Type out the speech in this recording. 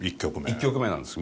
１曲目なんです